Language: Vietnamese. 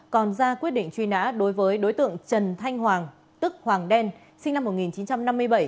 còn ra quyết định truy nã đối với đối tượng trần thanh hoàng tức hoàng đen sinh năm một nghìn chín trăm năm mươi bảy